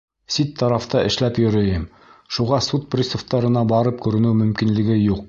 Сит тарафта эшләп йөрөйөм, шуға суд приставтарына барып күренеү мөмкинлеге юҡ.